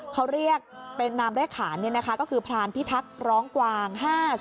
เขาเรียกเป็นนามเรียกขานเนี่ยนะคะก็คือพรานพิทักร้องกวาง๕๐๒